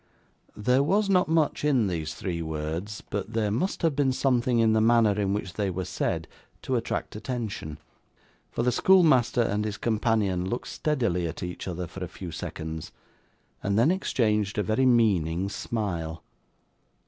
There was not much in these three words, but there must have been something in the manner in which they were said, to attract attention; for the schoolmaster and his companion looked steadily at each other for a few seconds, and then exchanged a very meaning smile.